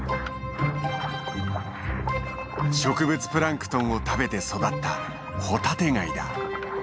植物プランクトンを食べて育ったホタテガイだ。